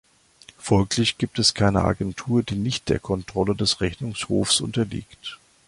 Folglich gibt es keine Agentur, die nicht der Kontrolle des Rechnungshofs unterliegt.